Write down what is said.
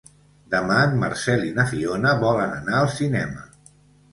Demà en Marcel i na Fiona volen anar al cinema.